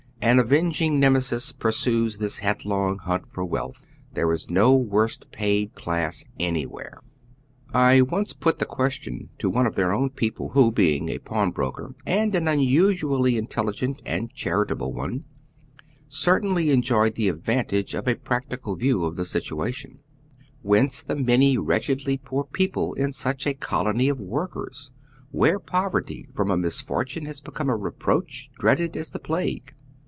An avenging Nemesis pursues this headlong hunt for wealth ; there is no worse paid class anywliere. I once put the question to one of their own people, who, being a pawnbroker, and an unu sually intelligent and charitable one, certainly enjoyed the advantage of a practical view of the situation :" Whence tlie many wretchedly poor people in such a colony of workers, where povertj', from a misfortune, has become a reproach, dreaded as the plague